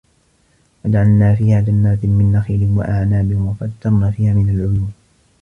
وَجَعَلنا فيها جَنّاتٍ مِن نَخيلٍ وَأَعنابٍ وَفَجَّرنا فيها مِنَ العُيونِ